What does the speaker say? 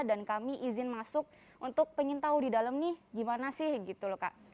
dan kami izin masuk untuk pengen tahu di dalam nih gimana sih gitu lho kak